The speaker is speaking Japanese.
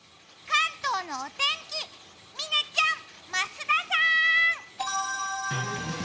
関東のお天気、嶺ちゃん、増田さん！